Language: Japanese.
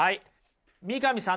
三上さん